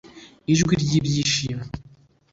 ijwi ry ibyishimo